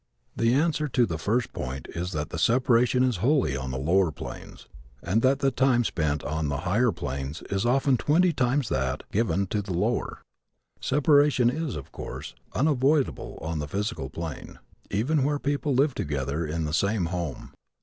The answer to the first point is that the separation is wholly on the lower planes and that the time spent on the higher planes is often twenty times that given to the lower. Separation is, of course, unavoidable on the physical plane, even where people live together in the same home.